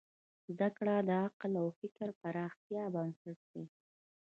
زدهکړه د عقل او فکر پراختیا بنسټ دی.